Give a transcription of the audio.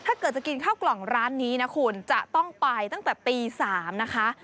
ถ้าเกิดจะกินข้าวกล่องร้านนี้นะคุณจะต้องไปตั้งแต่ตี๓นะคะ